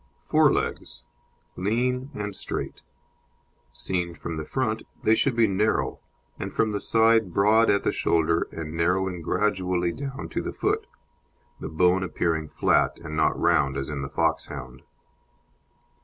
FORE LEGS Lean and straight. Seen from the front they should be narrow and from the side broad at the shoulder and narrowing gradually down to the foot, the bone appearing flat and not round as in the Foxhound.